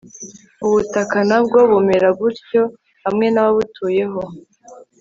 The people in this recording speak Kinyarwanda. ubutaka na bwo bumera butyo hamwe n ababutuyeho